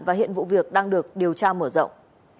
và hiện vụ việc đang được điều tra mở rộng